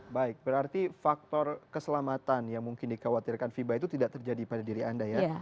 baik berarti faktor keselamatan yang mungkin dikhawatirkan fiba itu tidak terjadi pada diri anda ya